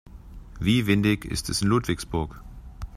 Wie windig ist es in Ludwigsburg?